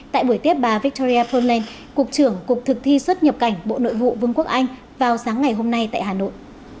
tại buổi tiếp bà victoria poland cục trưởng cục thực thi xuất nhập cảnh bộ nội vụ vương quốc anh vào sáng ngày hôm nay tại hà nội